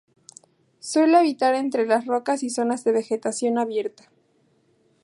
Suele habitar entre las rocas y zonas de vegetación abierta.